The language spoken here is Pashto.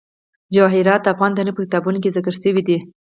جواهرات د افغان تاریخ په کتابونو کې ذکر شوی دي.